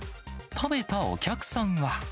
食べたお客さんは。